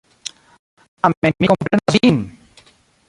Tamen mi komprenas Vin!